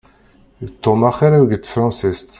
D Tom axir-iw deg tefransist.